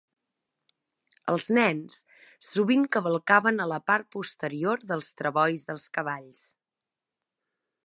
Els nens sovint cavalcaven a la part posterior dels travois dels cavalls.